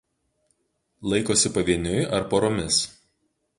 Laikosi pavieniui ar poromis.